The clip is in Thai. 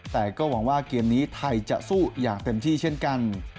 แต่ก็หวังว่าเกมนี้ไทยจะสู้อย่างเต็มที่เช่นกัน